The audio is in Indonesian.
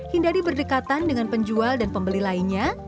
hindari berdekatan dengan penjual dan pembeli lainnya